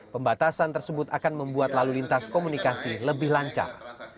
pembatasan tersebut akan membuat lalu lintas komunikasi lebih lancar